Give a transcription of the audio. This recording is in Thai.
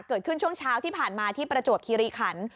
เกิดขึ้นช่วงเช้าที่ผ่านมาที่ประจวบคิริขัน